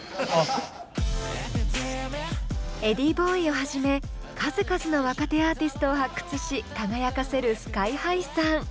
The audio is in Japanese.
ｅｄｈｉｉｉｂｏｉをはじめ数々の若手アーティストを発掘し輝かせるＳＫＹ−ＨＩさん。